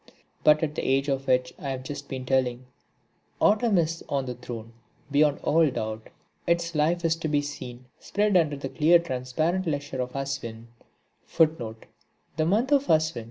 But at the age of which I have just been telling, Autumn is on the throne beyond all doubt. Its life is to be seen spread under the clear transparent leisure of Aswin.